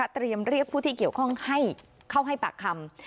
เรียกผู้ที่เกี่ยวข้องให้เข้าให้ปากคำ